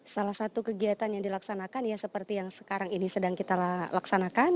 salah satu kegiatan yang dilaksanakan ya seperti yang sekarang ini sedang kita laksanakan